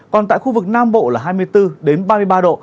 còn tại khu vực nam bộ là hai mươi bốn ba mươi ba độ